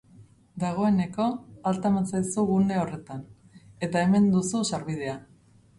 Dagoeneko, alta eman zaizu gune horretan, eta hemen duzu sarbidea.